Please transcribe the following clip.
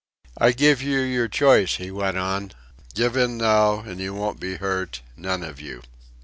"I give you your choice," he went on. "Give in now, an' you won't be hurt, none of you."